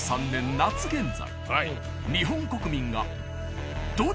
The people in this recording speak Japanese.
夏現在。